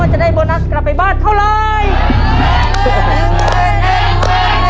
จะได้โบนัสกลับไปบ้านเท่าไร